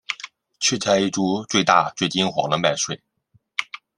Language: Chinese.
去摘一株最大最金黄的麦穗